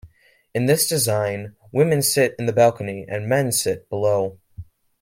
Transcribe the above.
In this design, women sit in the balcony and men sit below.